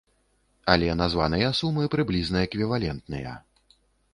Але названыя сумы прыблізна эквівалентныя.